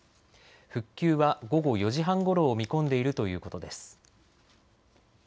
復旧は午後４時半ごろを見込んでいるということです。